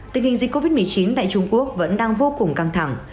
tình hình dịch covid một mươi chín tại trung quốc vẫn đang vô cùng căng thẳng